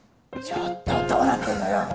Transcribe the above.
ちょっとどうなってんのよ？